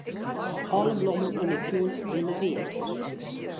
Alle blommen yn 'e tún binne read.